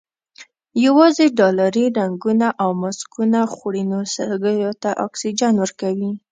یوازې ډالري رنګونه او ماسکونه خوړینو سږیو ته اکسیجن ورکوي.